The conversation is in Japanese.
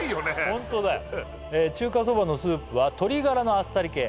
ホントだよ「中華そばのスープは鶏ガラのあっさり系」